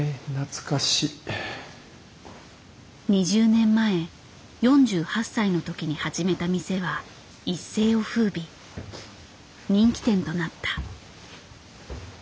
２０年前４８歳の時に始めた店は一世を風靡人気店となった。